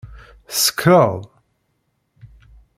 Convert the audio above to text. Tsekṛeḍ?